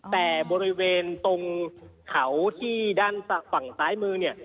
แต่บริเวณตรงเขาที่ด้านฝั่งซ้ายมือเนี่ย